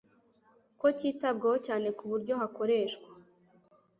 ko cyitabwaho cyane ku buryo hakoreshwa